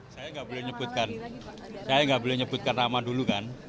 saya nggak boleh nyebutkan nama dulu kan